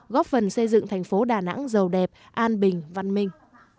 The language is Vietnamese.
góp phần xây dựng thành phố đà nẵng giàu đẹp an bình văn minh